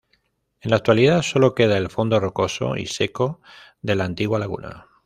En la actualidad, sólo queda el fondo rocoso y seco de la antigua laguna.